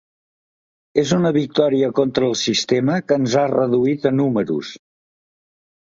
És una victòria contra el sistema que ens ha reduït a números.